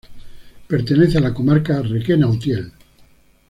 Pertenece a la comarca de Requena-Utiel.